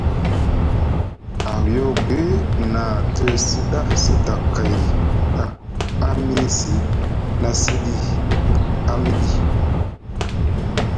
Ahiyagwi na te sɗa sda kay ta, a miisi na siɗi amiɗi.